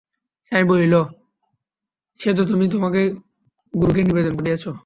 স্বামী বলিল, সে তো তুমি তোমার গুরুকে নিবেদন করিয়াছ।